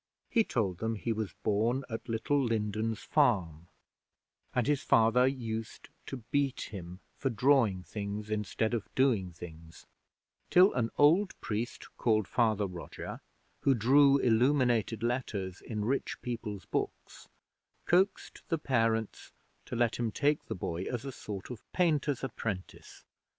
He told them he was born at Little Lindens Farm, and his father used to beat him for drawing things instead of doing things, till an old priest called Father Roger, who drew illuminated letters in rich people's books, coaxed the parents to let him take the boy as a sort of painter's apprentice.